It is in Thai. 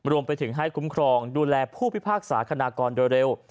รวมไปถึงให้คุ้มครองดูแลผู้พิพากษาคณากรโดยเร็ว